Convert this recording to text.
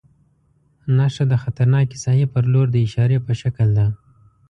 نښه د خطرناکې ساحې پر لور د اشارې په شکل ده.